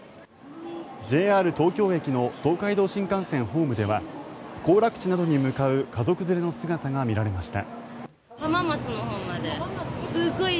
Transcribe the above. ＪＲ東京駅の東海道新幹線ホームでは行楽地などに向かう家族連れの姿が見られました。